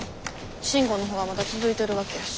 慎吾のほうはまだ続いてるわけやし。